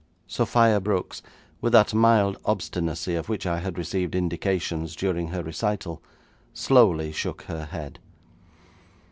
Sophia Brooks, with that mild obstinacy of which I had received indications during her recital, slowly shook her head.